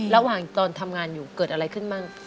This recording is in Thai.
ระหว่างตอนทำงานอยู่เกิดอะไรขึ้นมั่ง